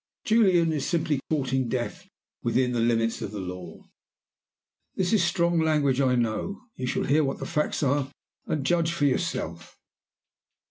Julian is simply courting death within the limits of the law. "This is strong language, I know. You shall hear what the facts are, and judge for yourself.